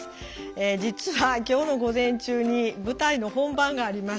実は今日の午前中に舞台の本番がありまして。